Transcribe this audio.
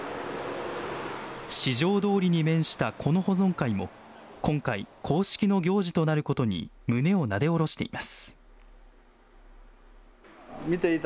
四条通に面したこの保存会も、今回、公式の行事となることに胸をなで下ろしています。